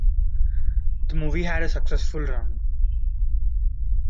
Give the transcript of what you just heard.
The movie had a successful run.